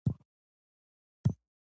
کوچني بورژوایان هم خپله سپما له لاسه ورکوي